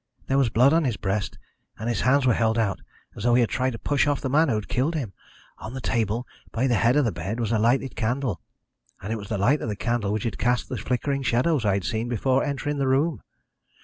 There was blood on his breast, and his hands were held out, as though he had tried to push off the man who had killed him. On the table, by the head of the bed, was a lighted candle, and it was the light of the candle which had cast the flickering shadows I had seen before entering the room.